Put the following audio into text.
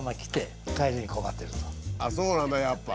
あっそうなんだやっぱ。